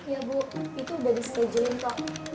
ya bu itu udah di scheduling kok